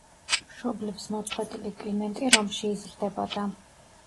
მშობლებს მოწყვეტილი კლიმენტი რომში იზრდებოდა.